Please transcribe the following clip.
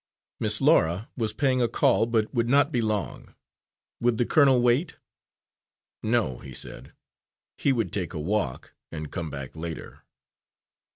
Miss Laura was paying a call, but would not be long. Would the colonel wait? No, he said, he would take a walk, and come back later.